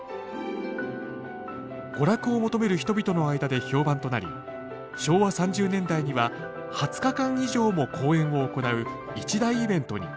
娯楽を求める人々の間で評判となり昭和３０年代には二十日間以上も公演を行う一大イベントに。